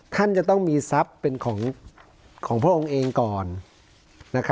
ท่านจะต้องมีทรัพย์เป็นของพระองค์เองก่อน